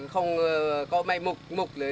không có mây mục mục